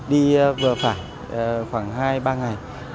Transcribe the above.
đi vừa phải khoảng hai ba ngày